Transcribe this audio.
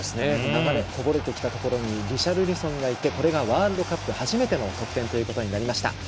流れてきたところにリシャルリソンがいてこれがワールドカップ初めての得点となりました。